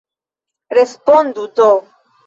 Respondu do!